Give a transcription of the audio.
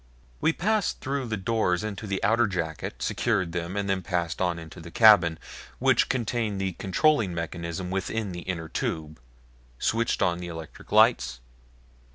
We passed through the doors into the outer jacket, secured them, and then passing on into the cabin, which contained the controlling mechanism within the inner tube, switched on the electric lights.